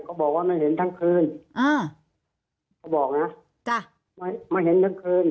เขาบอกว่าไม่เห็นทั้งคืนอ่าเขาบอกนะจ้ะไม่มาเห็นทั้งคืน